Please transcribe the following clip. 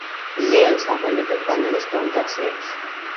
ზიანს აყენებენ ბანანის პლანტაციებს.